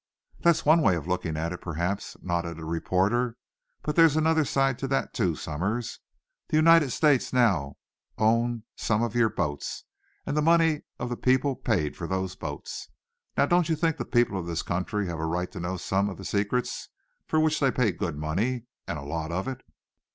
"That's one way of looking at it, perhaps," nodded a reporter. "But there's another side to that, too, Somers. The United States now own some of your boats, and the money of the people paid for those boats. Now, don't you think the people of this country have a right to know some of the secrets for which they pay good money, and a lot of it?"